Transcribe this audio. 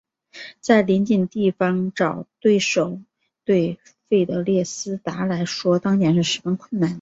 在邻近地方找对手对费德列斯达来说当年是十分困难的。